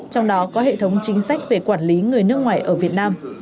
trong đó có hệ thống chính sách về quản lý người nước ngoài ở việt nam